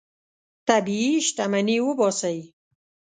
طبیعي شتمني وباسئ.